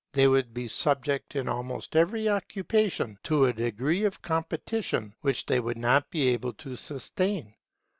They would be subject in almost every occupation to a degree of competition which they would not be able to sustain.